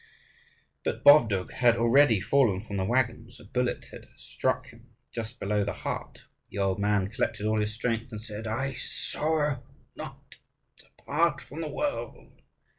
But Bovdug had already fallen from the waggons; a bullet had struck him just below the heart. The old man collected all his strength, and said, "I sorrow not to part from the world.